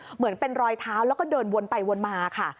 เหมือนเป็นรอยเท้าแล้วก็เดินวนไปวนมาค่ะ